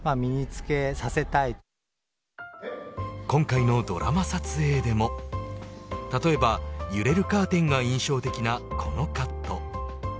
今回のドラマ撮影でも例えば揺れるカーテンが印象的なこのカット。